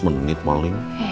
lima belas menit paling